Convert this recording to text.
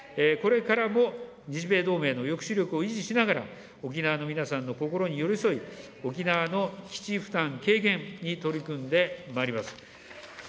これからも日米同盟の抑止力を維持しながら、沖縄の皆さんの心に寄り添い、沖縄の基地負担軽減に取り組んでまいります。